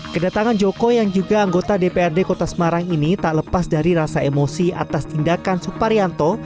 kedatangan joko yang juga anggota dprd kota semarang ini tak lepas dari rasa emosi atas tindakan suparyanto